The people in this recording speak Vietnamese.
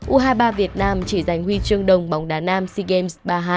u hai mươi ba việt nam chỉ giành huy chương đồng bóng đá nam sea games ba mươi hai